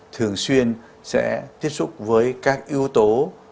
thường xuyên sẽ tiếp xúc với các yếu tố